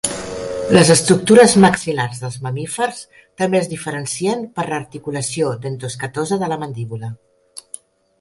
Les estructures maxil·lars dels mamífers també es diferencien per l'articulació dento-escatosa de la mandíbula.